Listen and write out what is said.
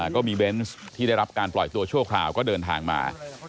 ก็มีเบนส์ที่ได้รับการปล่อยตัวชั่วคราวก็เดินทางมา